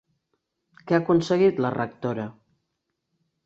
Què ha aconseguit la rectora?